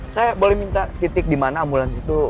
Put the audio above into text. saya boleh minta titik dimana ambulans itu